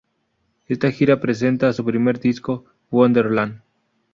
Esta gira presenta a su primer disco Wonderland.